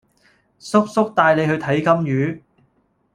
叔叔帶你去睇金魚